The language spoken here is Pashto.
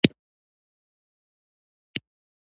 څو په دقیقه توګه یې وګورم.